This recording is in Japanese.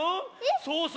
ソース